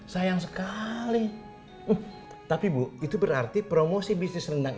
sayang sekali tapi bu itu berarti promosi bisnis rendang